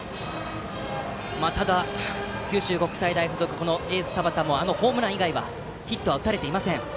ただ、九州国際大付属のエース、田端もあのホームラン以外はヒットは打たれていません。